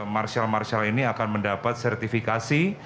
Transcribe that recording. marshal marshal ini akan mendapat sertifikasi